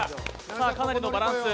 さあ、かなりのバランス。